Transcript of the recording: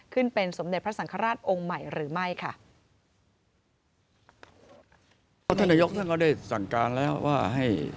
ขึ้นเป็นสมเด็จพระสังฆราชองค์ใหม่หรือไม่ค่ะ